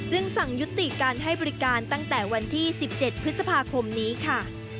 สั่งยุติการให้บริการตั้งแต่วันที่๑๗พฤษภาคมนี้ค่ะ